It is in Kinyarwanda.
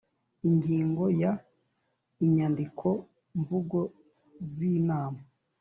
Ingingo ya inyandiko mvugo z inama